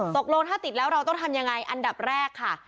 ตกลงถ้าติดแล้วเราต้องทำยังไงอันดับแรกค่ะ